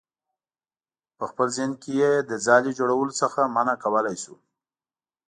په خپل ذهن کې یې له ځالې جوړولو څخه منع کولی شو.